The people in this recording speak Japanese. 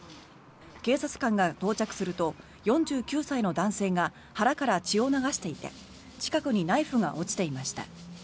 警察官が到着すると４９歳の男性が腹から血を流していて近くにナイフが落ちていました。